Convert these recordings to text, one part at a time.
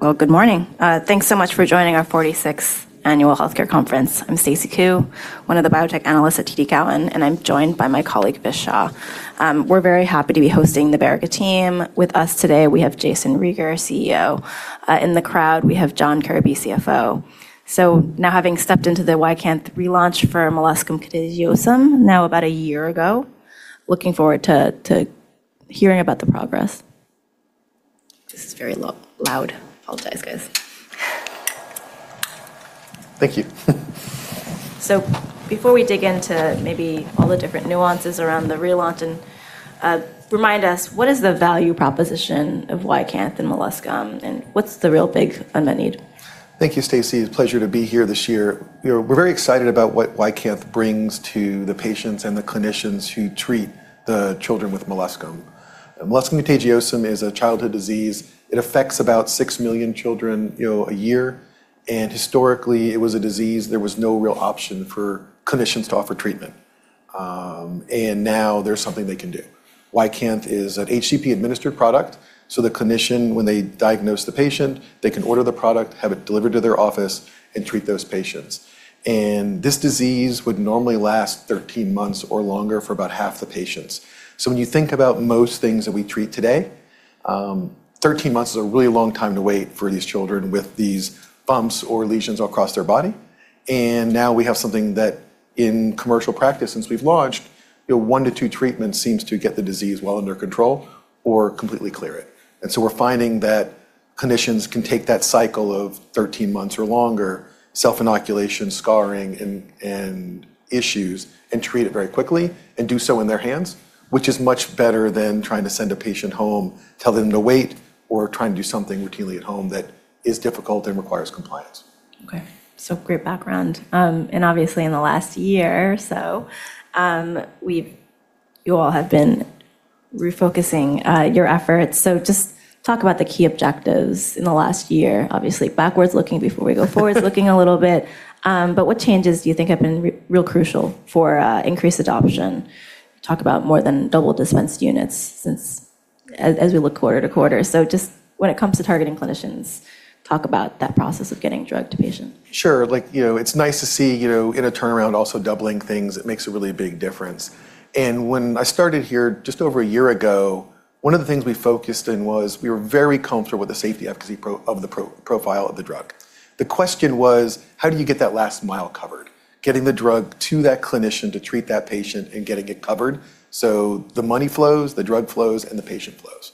Well, good morning. Thanks so much for joining our 46th annual healthcare conference. I'm Stacy Ku, one of the biotech analysts at TD Cowen, and I'm joined by my colleague, Vishwesh Shah. We're very happy to be hosting the Verrica team. With us today, we have Jayson Rieger, CEO. In the crowd, we have John Kirby, CFO. Now having stepped into the YCANTH relaunch for molluscum contagiosum now about a year ago, looking forward to hearing about the progress. This is very loud. Apologize, guys. Thank you. Before we dig into maybe all the different nuances around the relaunch and, remind us what is the value proposition of YCANTH and molluscum, and what's the real big unmet need? Thank you, Stacy Ku. It's a pleasure to be here this year. You know, we're very excited about what YCANTH brings to the patients and the clinicians who treat the children with molluscum. Molluscum contagiosum is a childhood disease. It affects about six million children, you know, a year. Historically, it was a disease there was no real option for clinicians to offer treatment. Now there's something they can do. YCANTH is an HCP administered product, the clinician, when they diagnose the patient, they can order the product, have it delivered to their office and treat those patients. This disease would normally last 13 months or longer for about half the patients. When you think about most things that we treat today, 13 months is a really long time to wait for these children with these bumps or lesions across their body. Now we have something that in commercial practice since we've launched, you know, one to two treatments seems to get the disease well under control or completely clear it. We're finding that clinicians can take that cycle of 13 months or longer, self-inoculation, scarring and issues, and treat it very quickly and do so in their hands, which is much better than trying to send a patient home, tell them to wait, or try and do something routinely at home that is difficult and requires compliance. Okay. Great background. Obviously in the last year or so, you all have been refocusing your efforts. Just talk about the key objectives in the last year, obviously backwards looking before we go forwards looking a little bit. What changes do you think have been real crucial for increased adoption? Talk about more than double dispensed units since as we look quarter-to-quarter. Just when it comes to targeting clinicians, talk about that process of getting drug to patient. Sure. Like, you know, it's nice to see, you know, in a turnaround also doubling things, it makes a really big difference. When I started here just over a year ago, one of the things we focused in was we were very comfortable with the safety efficacy profile of the drug. The question was: how do you get that last mile covered? Getting the drug to that clinician to treat that patient and getting it covered. The money flows, the drug flows, and the patient flows.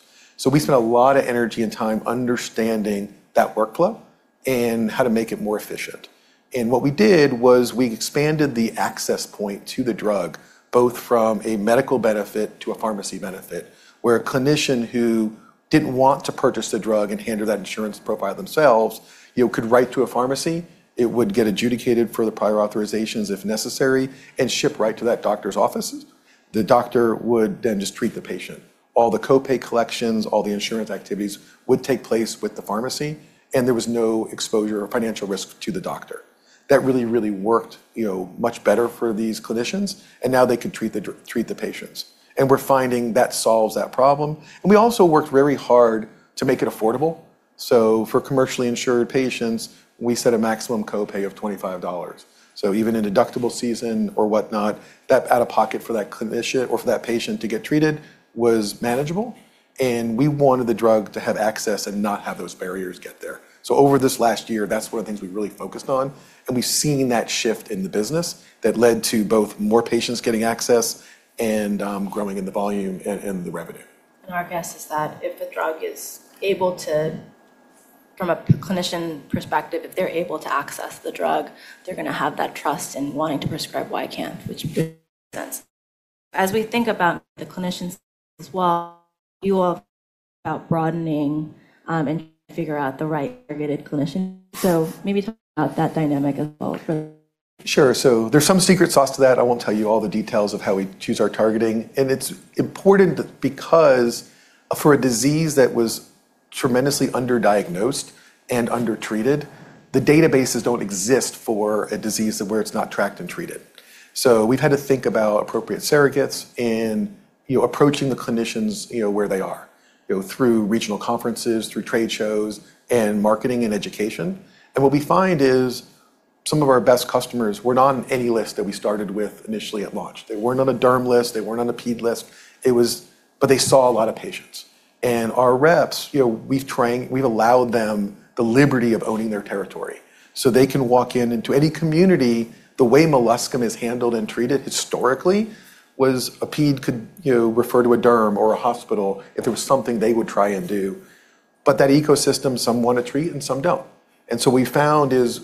We spent a lot of energy and time understanding that workflow and how to make it more efficient. What we did was we expanded the access point to the drug, both from a medical benefit to a pharmacy benefit, where a clinician who didn't want to purchase the drug and handle that insurance profile themselves, you know, could write to a pharmacy. It would get adjudicated for the prior authorizations, if necessary, and shipped right to that doctor's office. The doctor would then just treat the patient. All the co-pay collections, all the insurance activities would take place with the pharmacy, and there was no exposure or financial risk to the doctor. That really, really worked, you know, much better for these clinicians, and now they could treat the patients. We're finding that solves that problem. We also worked very hard to make it affordable. For commercially insured patients, we set a maximum co-pay of $25. Even in deductible season or whatnot, that out-of-pocket for that clinician or for that patient to get treated was manageable. We wanted the drug to have access and not have those barriers get there. Over this last year, that's one of the things we really focused on, and we've seen that shift in the business that led to both more patients getting access and growing in the volume and the revenue. Our guess is that if the drug is able to from a clinician perspective, if they're able to access the drug, they're gonna have that trust in wanting to prescribe YCANTH, which makes sense. We think about the clinicians as well, you all about broadening and figure out the right targeted clinician. Maybe talk about that dynamic as well. Sure. There's some secret sauce to that. I won't tell you all the details of how we choose our targeting. It's important because for a disease that was tremendously underdiagnosed and undertreated, the databases don't exist for a disease where it's not tracked and treated. We've had to think about appropriate surrogates and, you know, approaching the clinicians, you know, where they are, you know, through regional conferences, through trade shows, and marketing and education. What we find is some of our best customers were not on any list that we started with initially at launch. They weren't on a derm list. They weren't on a ped list. They saw a lot of patients. Our reps, you know, we've allowed them the liberty of owning their territory. They can walk into any community. The way molluscum is handled and treated historically was a ped could, you know, refer to a derm or a hospital if there was something they would try and do. That ecosystem, some wanna treat and some don't. We found is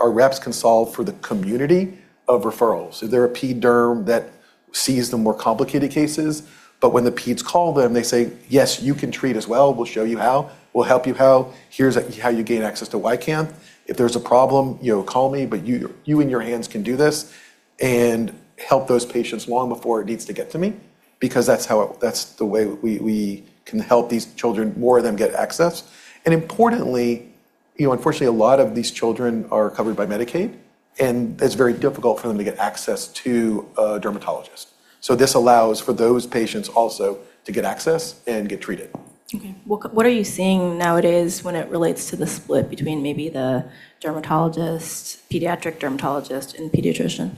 our reps can solve for the community of referrals. If they're a ped derm that sees the more complicated cases, but when the pedes call them, they say, "Yes, you can treat as well. We'll show you how. We'll help you how. Here's how you gain access to YCANTH. If there's a problem, you know, call me, but you and your hands can do this and help those patients long before it needs to get to me," because that's how that's the way we can help these children, more of them get access. You know, unfortunately, a lot of these children are covered by Medicaid, and it's very difficult for them to get access to a dermatologist. This allows for those patients also to get access and get treated. Okay. Well, what are you seeing nowadays when it relates to the split between maybe the dermatologist, pediatric dermatologist, and pediatrician?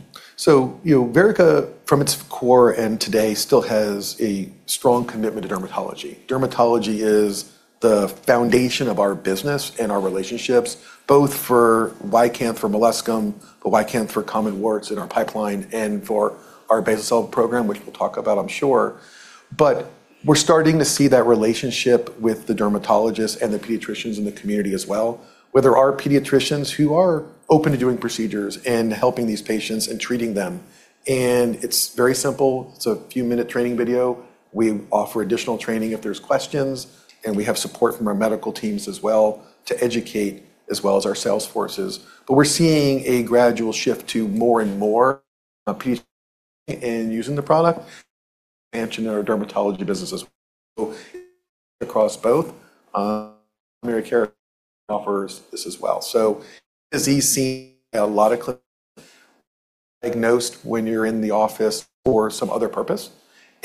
You know, Verrica from its core and today still has a strong commitment to dermatology. Dermatology is the foundation of our business and our relationships, both for YCANTH, for molluscum, but YCANTH for common warts in our pipeline and for our Basal Cell program, which we'll talk about, I'm sure. We're starting to see that relationship with the dermatologists and the pediatricians in the community as well, where there are pediatricians who are open to doing procedures and helping these patients and treating them. It's very simple. It's a few-minute training video. We offer additional training if there's questions, and we have support from our medical teams as well to educate as well as our sales forces. We're seeing a gradual shift to more and more and using the product and to our dermatology businesses across both primary care offers this as well. As you see a lot of diagnosed when you're in the office for some other purpose,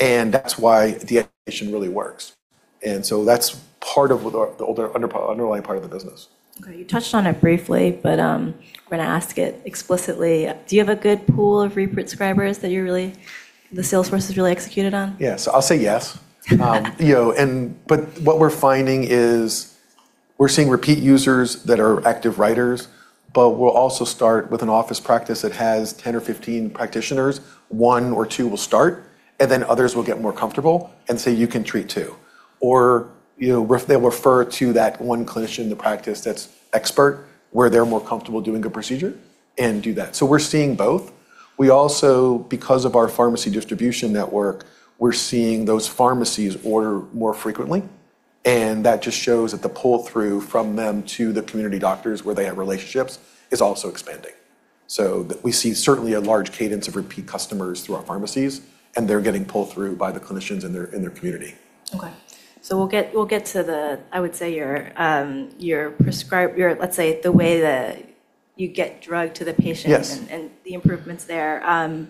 and that's why the education really works. That's part of the underlying part of the business. You touched on it briefly, but we're gonna ask it explicitly. Do you have a good pool of re-prescribers that the sales force has really executed on? Yes. I'll say yes. You know, and but what we're finding is we're seeing repeat users that are active writers, but we'll also start with an office practice that has 10 or 15 practitioners. one or two will start, and then others will get more comfortable and say you can treat two. Or, you know, they'll refer to that 1 clinician in the practice that's expert, where they're more comfortable doing a procedure, and do that. We're seeing both. We also, because of our pharmacy distribution network, we're seeing those pharmacies order more frequently, and that just shows that the pull-through from them to the community doctors where they have relationships is also expanding. We see certainly a large cadence of repeat customers through our pharmacies, and they're getting pulled through by the clinicians in their community. Okay. we'll get to the, I would say your, let's say the way the you get drug to the patient. Yes... and the improvements there.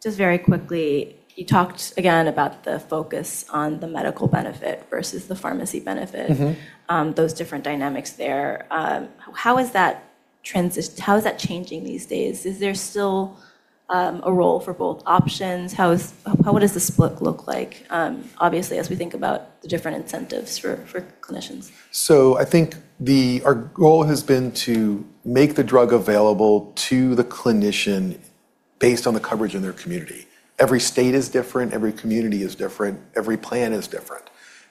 Just very quickly, you talked again about the focus on the medical benefit versus the pharmacy benefit. Mm-hmm... those different dynamics there. How is that changing these days? Is there still a role for both options? What does the split look like, obviously, as we think about the different incentives for clinicians? I think our goal has been to make the drug available to the clinician based on the coverage in their community. Every state is different, every community is different, every plan is different.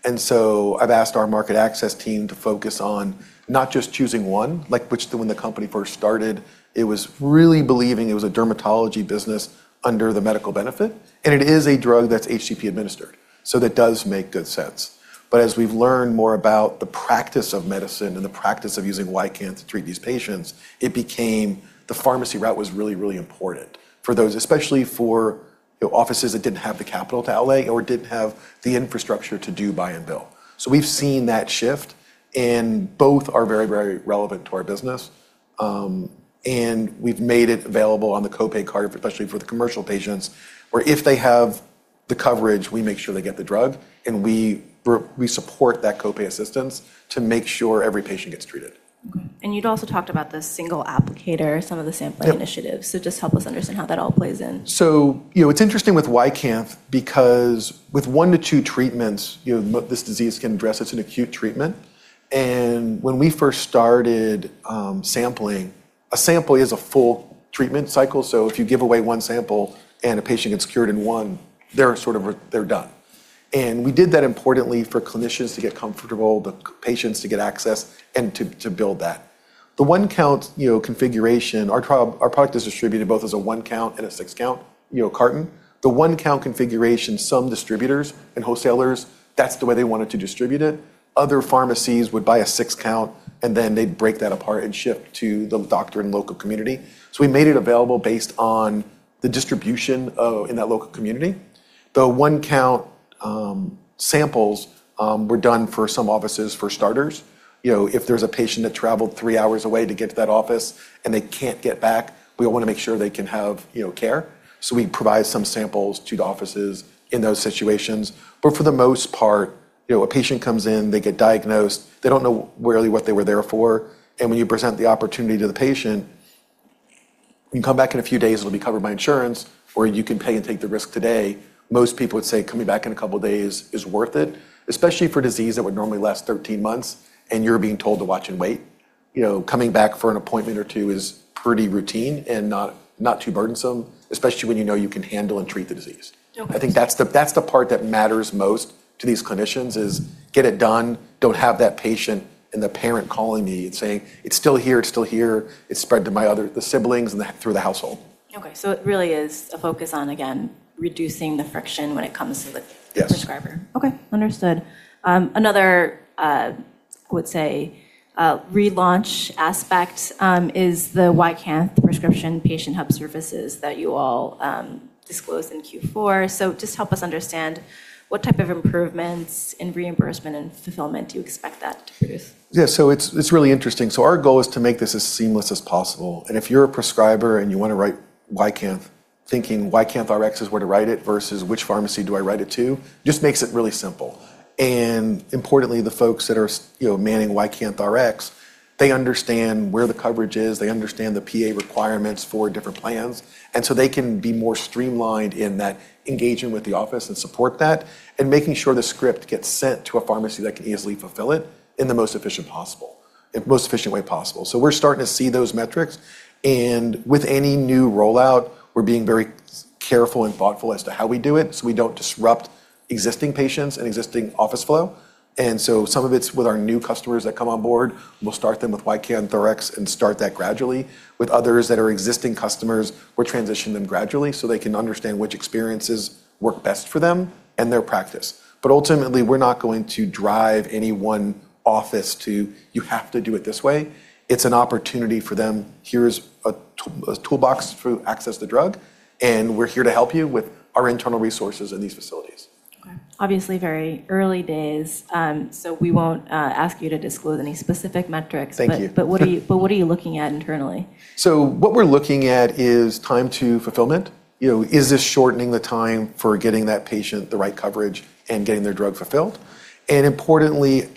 I've asked our market access team to focus on not just choosing one, like which when the company first started, it was really believing it was a dermatology business under the medical benefit, and it is a drug that's HCP administered, so that does make good sense. As we've learned more about the practice of medicine and the practice of using YCANTH to treat these patients, it became the pharmacy route was really, really important for those, especially for offices that didn't have the capital to outlay or didn't have the infrastructure to do buy and bill. We've seen that shift, and both are very, very relevant to our business. We've made it available on the copay card, especially for the commercial patients, where if they have the coverage, we make sure they get the drug, and we support that copay assistance to make sure every patient gets treated. Okay. You'd also talked about the single applicator, some of the sampling initiatives. Just help us understand how that all plays in. You know, it's interesting with YCANTH because with one to two treatments, you know, this disease can address, it's an acute treatment. When we first started sampling, a sample is a full treatment cycle. If you give away one sample and a patient gets cured in one, they're sort of they're done. We did that importantly for clinicians to get comfortable, the patients to get access, and to build that. The one count, you know, configuration, our product is distributed both as a one count and a six count, you know, carton. The one count configuration, some distributors and wholesalers, that's the way they wanted to distribute it. Other pharmacies would buy a six count, and then they'd break that apart and ship to the doctor and local community. We made it available based on the distribution in that local community. The one count samples were done for some offices for starters. You know, if there's a patient that traveled three hours away to get to that office and they can't get back, we wanna make sure they can have, you know, care. We provide some samples to the offices in those situations. For the most part, you know, a patient comes in, they get diagnosed, they don't know really what they were there for, and when you present the opportunity to the patient, you come back in a few days, it'll be covered by insurance, or you can pay and take the risk today. Most people would say coming back in a couple of days is worth it, especially for disease that would normally last 13 months, and you're being told to watch and wait. You know, coming back for an appointment or two is pretty routine and not too burdensome, especially when you know you can handle and treat the disease. Okay. I think that's the part that matters most to these clinicians is get it done, don't have that patient and the parent calling me and saying, "It's still here, it's still here. It spread to my the siblings and through the household. Okay. It really is a focus on, again, reducing the friction when it comes to. Yes. Prescriber. Okay. Understood. Another relaunch aspect is the YCANTH prescription patient hub services that you all disclosed in Q4. Just help us understand what type of improvements in reimbursement and fulfillment do you expect that to produce? Yeah. It's really interesting. Our goal is to make this as seamless as possible. If you're a prescriber and you want to write YCANTH, thinking YcanthRx is where to write it versus which pharmacy do I write it to, just makes it really simple. Importantly, the folks that are you know, manning YcanthRx, they understand where the coverage is, they understand the PA requirements for different plans, and so they can be more streamlined in that engagement with the office and support that, and making sure the script gets sent to a pharmacy that can easily fulfill it in the most efficient way possible. We're starting to see those metrics. With any new rollout, we're being very careful and thoughtful as to how we do it, so we don't disrupt existing patients and existing office flow. Some of it's with our new customers that come on board, we'll start them with YcanthRx and start that gradually. With others that are existing customers, we'll transition them gradually, so they can understand which experiences work best for them and their practice. Ultimately, we're not going to drive any one office to, "You have to do it this way." It's an opportunity for them. Here's a tool, a toolbox to access the drug, and we're here to help you with our internal resources in these facilities. Okay. Obviously, very early days, we won't ask you to disclose any specific metrics. Thank you. What are you looking at internally? What we're looking at is time to fulfillment. You know, is this shortening the time for getting that patient the right coverage and getting their drug fulfilled? Importantly,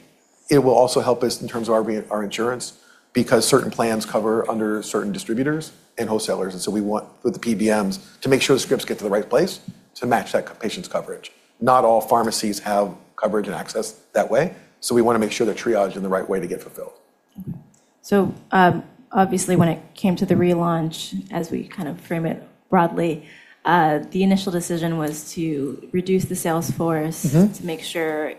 it will also help us in terms of our insurance because certain plans cover under certain distributors and wholesalers. We want, with the PBMs, to make sure the scripts get to the right place to match that patient's coverage. Not all pharmacies have coverage and access that way, so we wanna make sure they're triaged in the right way to get fulfilled. Obviously, when it came to the relaunch, as we kind of frame it broadly, the initial decision was to reduce the sales force. Mm-hmm... to make sure,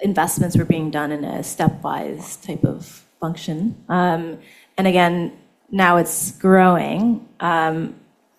Investments were being done in a stepwise type of function. Again, now it's growing.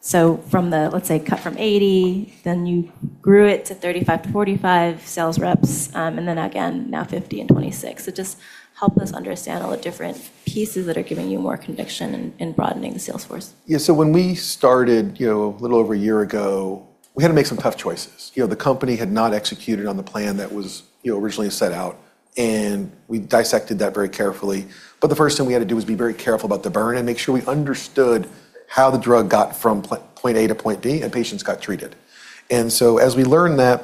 From the, let's say, cut from 80, then you grew it to 35-45 sales reps, then again now 50 and 26. Just help us understand all the different pieces that are giving you more conviction in broadening the sales force. When we started, you know, a little over a year ago, we had to make some tough choices. You know, the company had not executed on the plan that was, you know, originally set out, and we dissected that very carefully. The first thing we had to do was be very careful about the burn and make sure we understood how the drug got from point A to point B and patients got treated. As we learned that,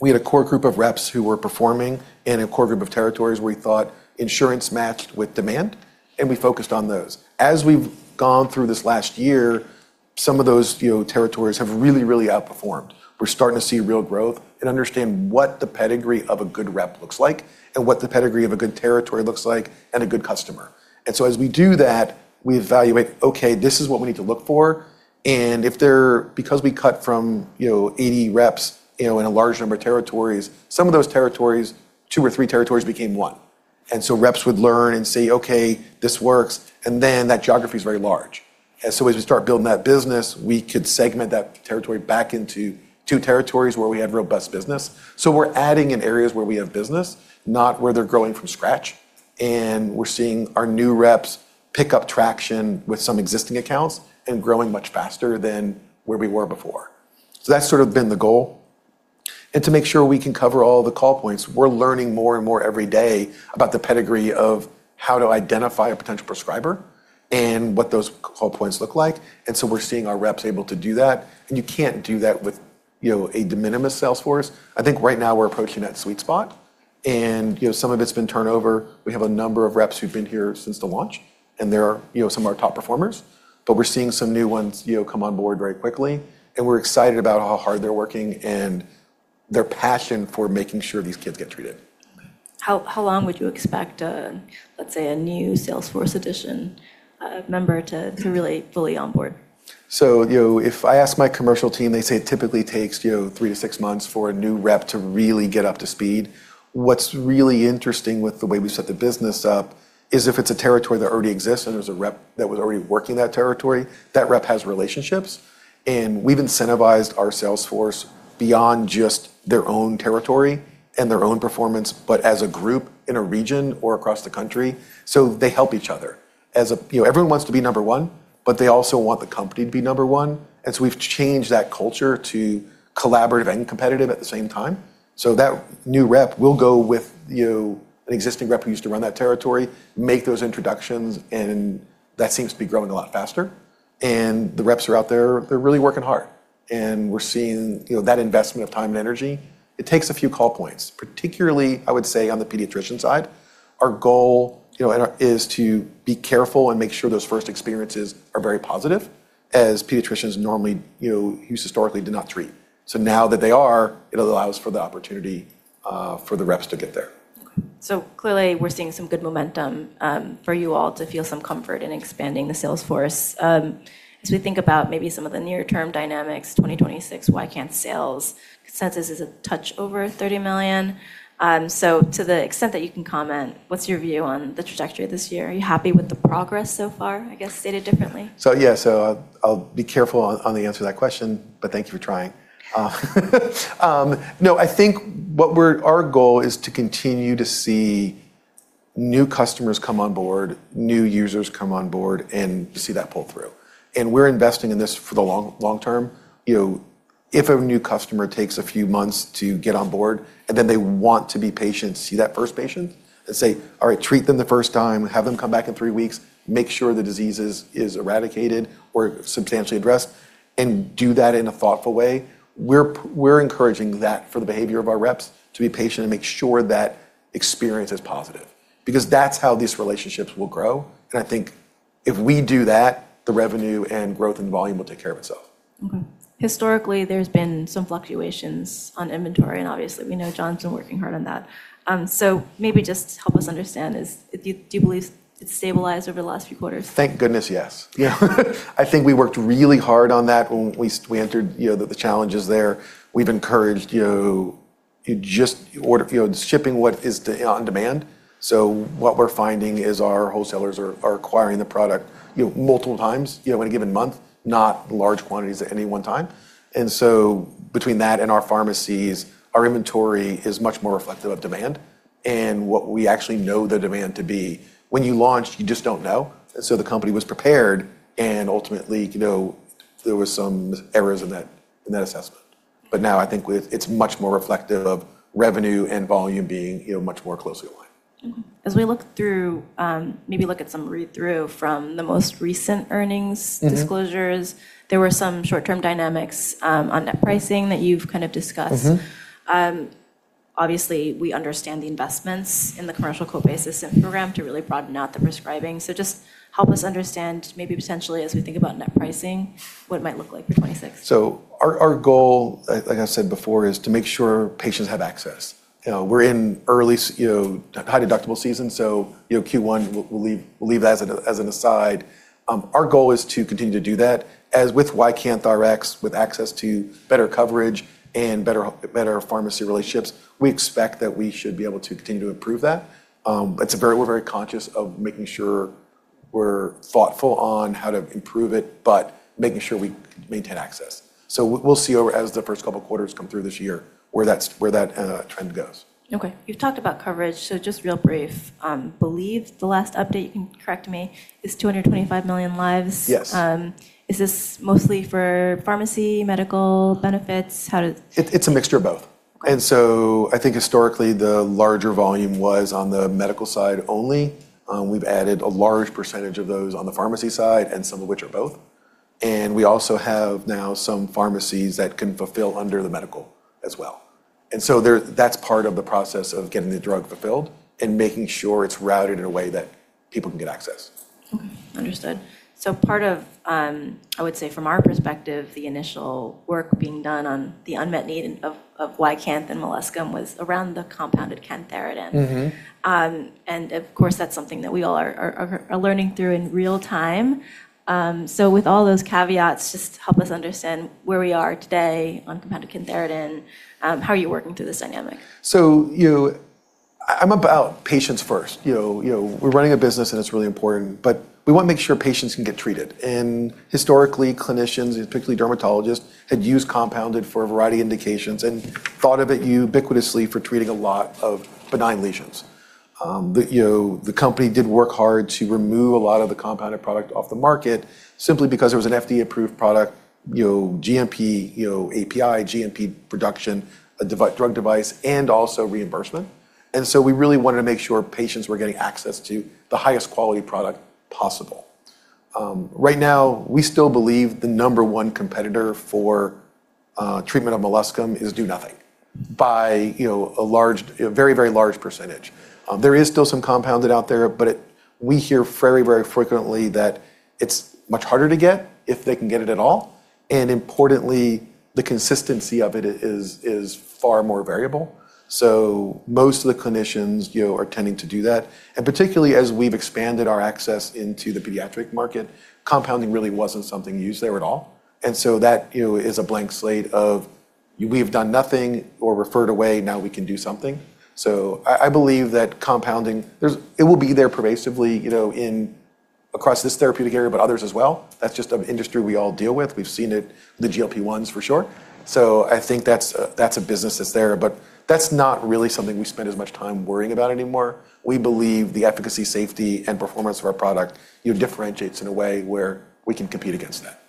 we had a core group of reps who were performing in a core group of territories where we thought insurance matched with demand, and we focused on those. As we've gone through this last year, some of those, you know, territories have really, really outperformed. We're starting to see real growth and understand what the pedigree of a good rep looks like and what the pedigree of a good territory looks like and a good customer. As we do that, we evaluate, okay, this is what we need to look for. Because we cut from, you know, 80 reps, you know, in a large number of territories, some of those territories, two or three territories became one. Reps would learn and say, "Okay, this works," and then that geography is very large. As we start building that business, we could segment that territory back into two territories where we have robust business. We're adding in areas where we have business, not where they're growing from scratch, and we're seeing our new reps pick up traction with some existing accounts and growing much faster than where we were before. That's sort of been the goal. To make sure we can cover all the call points, we're learning more and more every day about the pedigree of how to identify a potential prescriber and what those call points look like. We're seeing our reps able to do that, and you can't do that with, you know, a de minimis sales force. I think right now we're approaching that sweet spot and, you know, some of it's been turnover. We have a number of reps who've been here since the launch and they're, you know, some of our top performers. We're seeing some new ones, you know, come on board very quickly, and we're excited about how hard they're working and their passion for making sure these kids get treated. How long would you expect a, let's say, a new sales force addition, member? Mm ...to really fully onboard? You know, if I ask my commercial team, they say it typically takes, you know, three-six months for a new rep to really get up to speed. What's really interesting with the way we set the business up is if it's a territory that already exists and there's a rep that was already working that territory, that rep has relationships, and we've incentivized our sales force beyond just their own territory and their own performance, but as a group in a region or across the country. They help each other. You know, everyone wants to be number one, but they also want the company to be number one. We've changed that culture to collaborative and competitive at the same time. That new rep will go with, you know, an existing rep who used to run that territory, make those introductions, and that seems to be growing a lot faster. The reps are out there, they're really working hard and we're seeing, you know, that investment of time and energy. It takes a few call points, particularly, I would say, on the pediatrician side. Our goal, you know, is to be careful and make sure those first experiences are very positive as pediatricians normally, you know, used historically to not treat. Now that they are, it allows for the opportunity for the reps to get there. Clearly we're seeing some good momentum for you all to feel some comfort in expanding the sales force. As we think about maybe some of the near term dynamics, 2026, YCANTH sales consensus is a touch over $30 million. To the extent that you can comment, what's your view on the trajectory this year? Are you happy with the progress so far, I guess, stated differently? Yeah. I'll be careful on the answer to that question, but thank you for trying. No, I think what our goal is to continue to see new customers come on board, new users come on board, and see that pull through. We're investing in this for the long, long term. You know, if a new customer takes a few months to get on board, and then they want to be patient, see that first patient and say, "All right, treat them the first time, have them come back in three weeks, make sure the disease is eradicated or substantially addressed, and do that in a thoughtful way," we're encouraging that for the behavior of our reps to be patient and make sure that experience is positive. That's how these relationships will grow, and I think if we do that, the revenue and growth in volume will take care of itself. Historically, there's been some fluctuations on inventory, obviously we know John's been working hard on that. Maybe just help us understand is, do you believe it's stabilized over the last few quarters? Thank goodness, yes. Yeah. I think we worked really hard on that when we entered, you know, the challenges there. We've encouraged, you know, you just order, you know, shipping what is on demand. What we're finding is our wholesalers are acquiring the product, you know, multiple times, you know, in a given month, not large quantities at any one time. Between that and our pharmacies, our inventory is much more reflective of demand and what we actually know the demand to be. When you launch, you just don't know, the company was prepared, ultimately, you know, there was some errors in that assessment. Now I think it's much more reflective of revenue and volume being, you know, much more closely aligned. As we look through, maybe look at some read-through from the most recent earnings. Mm-hmm. disclosures, there were some short-term dynamics on net pricing that you've kind of discussed. Mm-hmm. Obviously, we understand the investments in the commercial code base system program to really broaden out the prescribing. Just help us understand maybe potentially as we think about net pricing, what it might look like for 26? Our goal, like I said before, is to make sure patients have access. You know, we're in early you know, high deductible season, so, you know, Q1 we'll leave that as a, as an aside. Our goal is to continue to do that. As with YcanthRx, with access to better coverage and better pharmacy relationships, we expect that we should be able to continue to improve that. It's a very-- we're very conscious of making sure we're thoughtful on how to improve it, but making sure we maintain access. We'll see over as the first couple quarters come through this year where that trend goes. Okay. You've talked about coverage, just real brief. Believe the last update, you can correct me, is 225 million lives. Yes. Is this mostly for pharmacy, medical benefits? It's a mixture of both. I think historically the larger volume was on the medical side only. We've added a large percentage of those on the pharmacy side, and some of which are both. We also have now some pharmacies that can fulfill under the medical as well. That's part of the process of getting the drug fulfilled and making sure it's routed in a way that people can get access. Okay. Understood. Part of, I would say from our perspective, the initial work being done on the unmet need of YCANTH and molluscum was around the compounded cantharidin. Mm-hmm. Of course, that's something that we all are learning through in real time. With all those caveats, just help us understand where we are today on compounded cantharidin. How are you working through this dynamic? You, I'm about patients first, you know? You know, we're running a business, and it's really important, but we want to make sure patients can get treated. Historically, clinicians, particularly dermatologists, had used compounded for a variety of indications and thought of it ubiquitously for treating a lot of benign lesions. The, you know, the company did work hard to remove a lot of the compounded product off the market simply because it was an FDA-approved product, you know, GMP, you know, API, GMP production, a drug-device, and also reimbursement. We really wanted to make sure patients were getting access to the highest quality product possible. Right now, we still believe the number one competitor for treatment of molluscum is do nothing by, you know, a large, a very, very large percentage. There is still some compounded out there, but we hear very, very frequently that it's much harder to get, if they can get it at all, and importantly, the consistency of it is far more variable. Most of the clinicians, you know, are tending to do that. Particularly as we've expanded our access into the pediatric market, compounding really wasn't something used there at all. That, you know, is a blank slate of we have done nothing or referred away, now we can do something. I believe that compounding, it will be there pervasively, you know, in across this therapeutic area, but others as well. That's just an industry we all deal with. We've seen it, the GLP-1s for sure. I think that's a, that's a business that's there. That's not really something we spend as much time worrying about anymore. We believe the efficacy, safety, and performance of our product, you know, differentiates in a way where we can compete against that.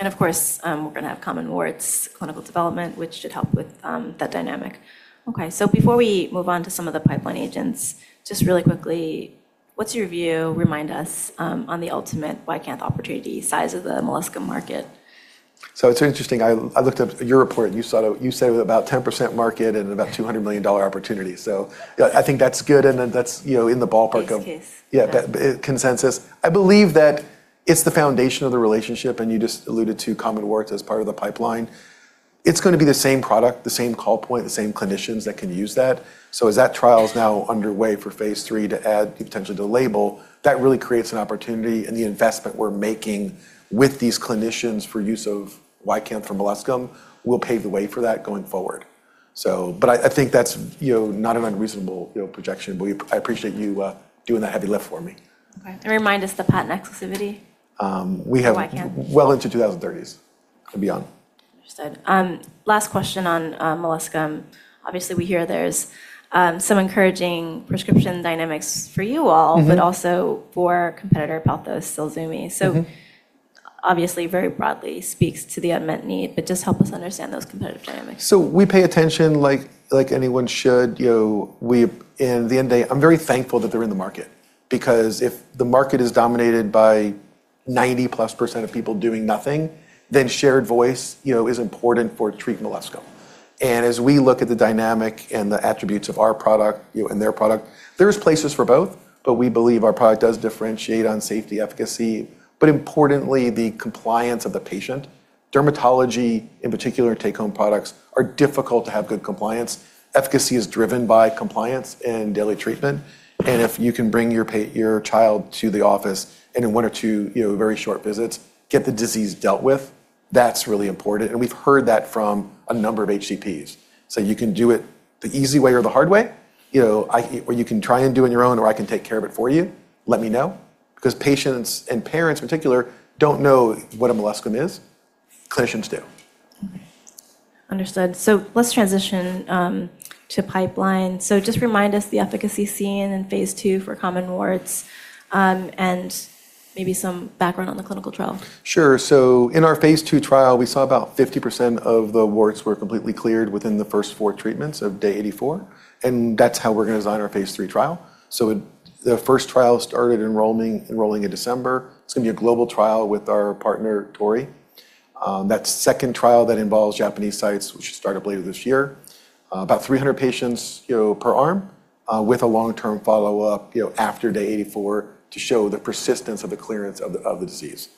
Of course, we're gonna have common warts clinical development, which should help with that dynamic. Okay. Before we move on to some of the pipeline agents, just really quickly, what's your view, remind us, on the ultimate YCANTH opportunity, size of the molluscum market? It's interesting. I looked up your report, and you said it was about 10% market and about $200 million opportunity. Yeah, I think that's good, and then that's, you know, in the ballpark of. Base case. Yeah. Consensus. I believe that it's the foundation of the relationship, and you just alluded to common warts as part of the pipeline. It's gonna be the same product, the same call point, the same clinicians that can use that. As that trial is now underway for phase III to add potentially to the label, that really creates an opportunity, and the investment we're making with these clinicians for use of YCANTH or molluscum will pave the way for that going forward. I think that's, you know, not an unreasonable, you know, projection. I appreciate you doing the heavy lift for me. Okay. Remind us the patent exclusivity? Um, we have- -for YCANTH. Well into 2030s and beyond. Understood. Last question on molluscum. Obviously, we hear there's some encouraging prescription dynamics for you all... Mm-hmm. also for competitor Palvella, ZILZUMI. Mm-hmm. Obviously, very broadly speaks to the unmet need, but just help us understand those competitive dynamics. We pay attention like anyone should, you know, In the end day, I'm very thankful that they're in the market because if the market is dominated by 90%+ of people doing nothing, shared voice, you know, is important for treating molluscum. As we look at the dynamic and the attributes of our product, you know, and their product, there's places for both. We believe our product does differentiate on safety efficacy. Importantly, the compliance of the patient. Dermatology, in particular take-home products, are difficult to have good compliance. Efficacy is driven by compliance and daily treatment, and if you can bring your child to the office and in one or two, you know, very short visits, get the disease dealt with, that's really important, and we've heard that from a number of HCPs. You can do it the easy way or the hard way. You know, or you can try and do on your own, or I can take care of it for you. Let me know. Patients and parents, in particular, don't know what a molluscum is. Clinicians do. Understood. Let's transition to pipeline. Just remind us the efficacy seen in phase II for common warts and maybe some background on the clinical trial. Sure. In our phase II trial, we saw about 50% of the warts were completely cleared within the first four treatments of day 84, and that's how we're gonna design our phase III trial. The first trial started enrolling in December. It's gonna be a global trial with our partner, Torii. That second trial that involves Japanese sites, which should start up later this year. About 300 patients, you know, per arm, with a long-term follow-up, you know, after day 84 to show the persistence of the clearance of the disease.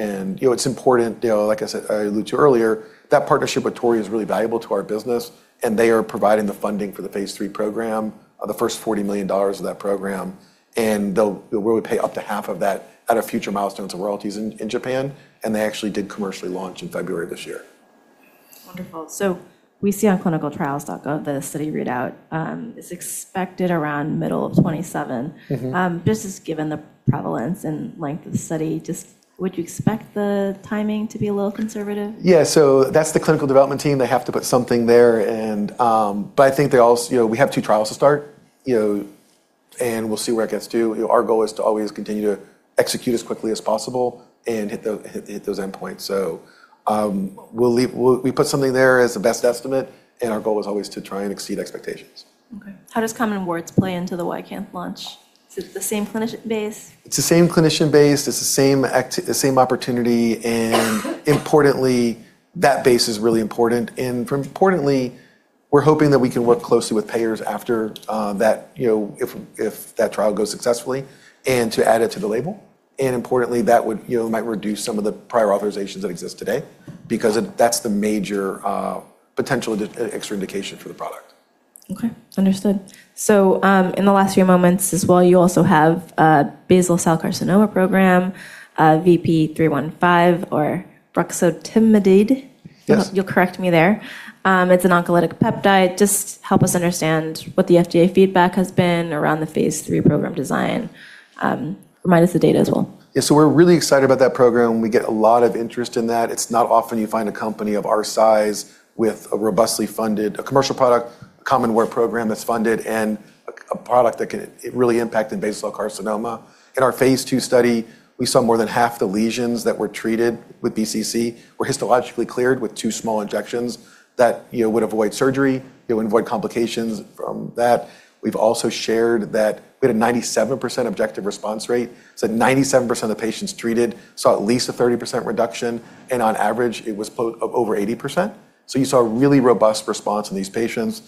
you know, it's important, you know, like I said, I alluded to earlier, that partnership with Torii is really valuable to our business, and they are providing the funding for the phase III program, the first $40 million of that program, and where we pay up to half of that at our future milestones of royalties in Japan, and they actually did commercially launch in February this year. Wonderful. We see on ClinicalTrials.gov, the study readout, is expected around middle of 2027. Mm-hmm. just as given the prevalence and length of the study, just would you expect the timing to be a little conservative? Yeah. That's the clinical development team. They have to put something there. I think they, you know, we have two trials to start, you know, and we'll see where it gets to. Our goal is to always continue to execute as quickly as possible and hit those endpoints. We'll leave. We put something there as a best estimate, and our goal is always to try and exceed expectations. Okay. How does common warts play into the YCANTH launch? Is it the same clinician base? It's the same clinician base, it's the same opportunity, and importantly, that base is really important. Importantly, we're hoping that we can work closely with payers after, that, you know, if that trial goes successfully and to add it to the label. Importantly, that would, you know, might reduce some of the prior authorizations that exist today because that's the major potential extra indication for the product. Okay. Understood. In the last few moments as well, you also have a Basal Cell Carcinoma program, VP-315 or ruxotemitide. Yes. You'll correct me there. It's an oncolytic peptide. Just help us understand what the FDA feedback has been around the phase III program design. Remind us the data as well. Yeah. We're really excited about that program. We get a lot of interest in that. It's not often you find a company of our size with a robustly funded commercial product, common wart program that's funded, and a product that really impacted Basal Cell Carcinoma. In our phase II study, we saw more than half the lesions that were treated with BCC were histologically cleared with two small injections that, you know, would avoid surgery. It would avoid complications from that. We've also shared that we had a 97% objective response rate. 97% of the patients treated saw at least a 30% reduction, and on average, it was over 80%. You saw a really robust response in these patients.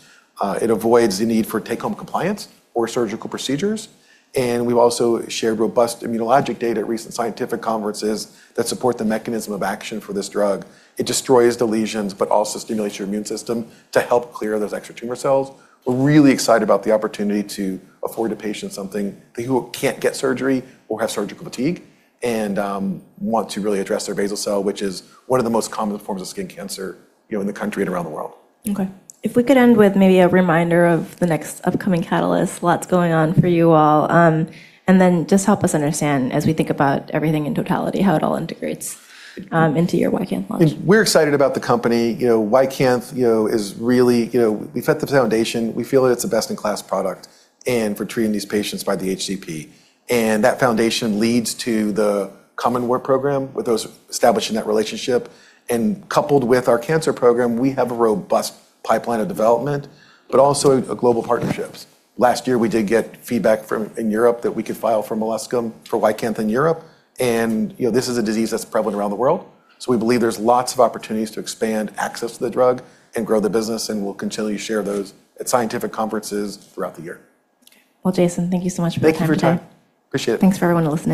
It avoids the need for take-home compliance or surgical procedures. We've also shared robust immunologic data at recent scientific conferences that support the mechanism of action for this drug. It destroys the lesions but also stimulates your immune system to help clear those extra tumor cells. We're really excited about the opportunity to afford a patient something who can't get surgery or have surgical fatigue and want to really address their Basal Cell, which is one of the most common forms of skin cancer, you know, in the country and around the world. Okay. If we could end with maybe a reminder of the next upcoming catalyst, lots going on for you all. Then just help us understand as we think about everything in totality, how it all integrates into your YCANTH launch. We're excited about the company. You know, YCANTH, you know, You know, we've set the foundation. We feel that it's a best-in-class product and for treating these patients by the HCP. That foundation leads to the common wart program with those establishing that relationship. Coupled with our cancer program, we have a robust pipeline of development, but also global partnerships. Last year, we did get feedback in Europe that we could file for molluscum for YCANTH in Europe. You know, this is a disease that's prevalent around the world. We believe there's lots of opportunities to expand access to the drug and grow the business, and we'll continue to share those at scientific conferences throughout the year. Well, Jayson, thank you so much for your time today. Thank you for your time. Appreciate it. Thanks for everyone listening.